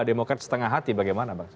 demokrat setengah hati bagaimana bang